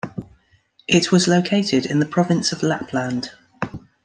It was located in the province of Lapland.